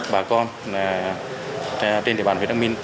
bà con trên địa bàn huyện đắk minh